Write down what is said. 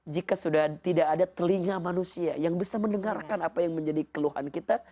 jika sudah tidak ada telinga manusia yang bisa mendengarkan apa yang menjadi keluhan kita